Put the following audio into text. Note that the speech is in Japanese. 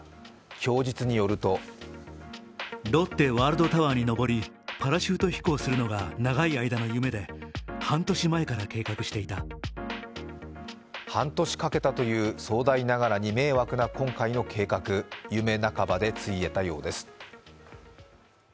供述によると半年かけたという壮大ながらに迷惑な今回の計画、夢半ばでついえたようです。